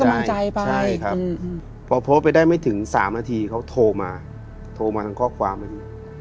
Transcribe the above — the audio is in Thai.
ครับก็โพสต์ให้กำลังคอมเม้นท์ให้กำลังใจไป